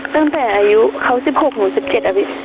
ตั้งแต่อายุเขา๑๖หนู๑๗อะพี่